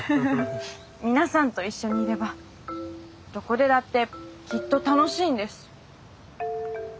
皆さんと一緒にいればどこでだってきっと楽しいんです。